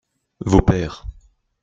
Vos pères.